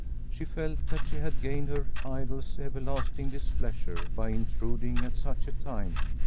She felt that she had gained her idol's everlasting displeasure by intruding at such a time.